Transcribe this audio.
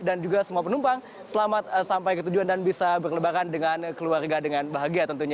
dan juga semua penumpang selamat sampai ke tujuan dan bisa berlebaran dengan keluarga dengan bahagia tentunya